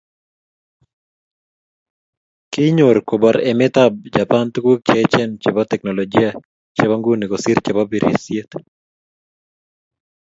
Kinyor kobor emetab Japan tuguk cheechen chebo teknolijia chebo nguni kosiir chebo birishet